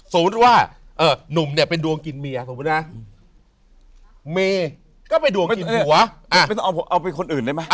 สมมุติว่านุ่มเนี่ยเป็นดวงกินเมีย